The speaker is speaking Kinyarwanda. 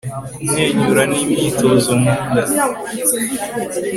kumwenyura ni imyitozo nkunda